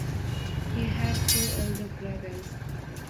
He had four elder brothers.